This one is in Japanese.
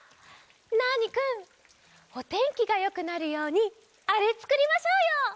ナーニくんおてんきがよくなるようにあれつくりましょうよ！